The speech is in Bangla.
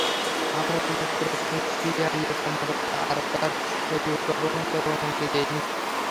আমরা তোমাকে প্রাক্তন সিআইএ কর্মকর্তা আর তার পরিবারকে অপহরণ করার অনুমতি দেইনি।